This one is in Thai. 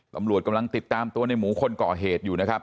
ตำรวจกำลังติดตามตัวในหมูคนก่อเหตุอยู่นะครับ